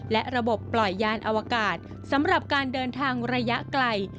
และระบบปล่อยยานอวกาศสำหรับการเดินทางระยะไกล